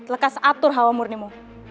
lekas atur hawa murnimu